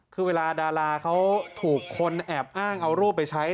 คือเวลาดาราเขาถูกคนแอบอ้างเอารูปไปใช้